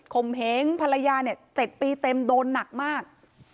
ข่มเห็งภรรยาเนี่ยเจ็ดปีเต็มโดนมาก